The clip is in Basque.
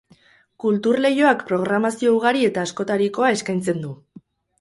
Kultur Leioak programazio ugari eta askotarikoa eskaintzen du.